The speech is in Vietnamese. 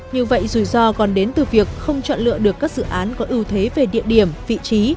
như vậy rủi ro còn đến từ việc không chọn lựa được các dự án có ưu thế về địa điểm vị trí